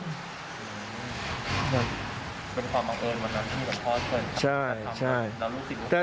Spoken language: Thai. เป็นความอังเอิญเหมือนกันที่พ่อเคยทำ